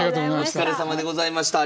お疲れさまでございました。